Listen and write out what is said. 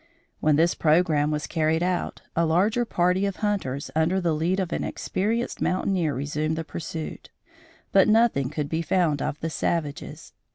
When this programme was carried out, a larger party of hunters under the lead of an experienced mountaineer resumed the pursuit; but nothing could be found of the savages.